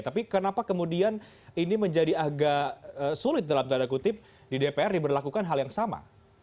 tapi kenapa kemudian ini menjadi agak sulit dalam tanda kutip di dpr diberlakukan hal yang sama